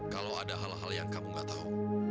kalau ada hal hal yang kamu gak tahu